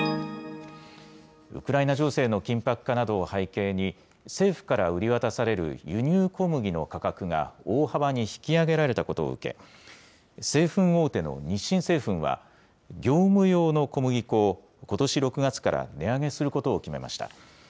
ウクライナ情勢の緊迫化などを背景に、政府から売り渡される輸入小麦の価格が大幅に引き上げられたことを受け、製粉大手の日清製粉は、業務用の小麦粉を、ことし６月から値上げすることを決めました。